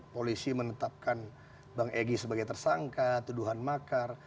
polisi menetapkan bang egy sebagai tersangka tuduhan makar